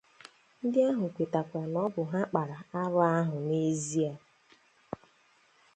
Ndị ahụ kwetakwara na ọ bụ ha kpàrà arụ ahụ n'ezie